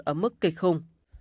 ở mức kịch khung